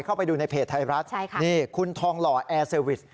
เข้าไปดูในเพจไทยรัฐนี่คุณทองหล่อแอร์เซอร์วิส